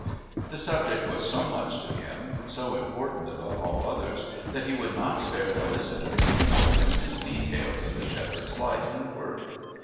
The subject was so much to him, so important above all others, that he would not spare the listener even the minutest details of the shepherd's life and work.